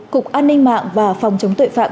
cục an ninh mạng và phòng chống tội phạm